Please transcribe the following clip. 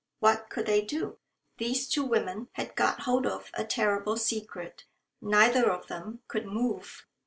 What could they do? These two women had got hold of a terrible secret. Neither of them could move.